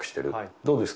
どうですか？